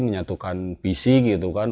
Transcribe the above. menyatukan visi gitu kan